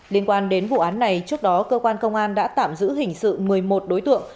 liên quan đến vụ án này trước đó cơ quan công an đã tạm giữ hình sự một mươi một đối tượng